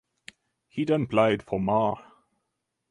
He then played for Marr.